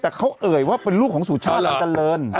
แต่เขาเอ่ยว่าเป็นลูกของสุชาติตันเจริญ